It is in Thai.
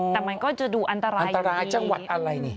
แต่มันก็จะดูอันตรายอยู่อย่างนี้อ่าหรืออันตรายจังหวัดอะไรนี่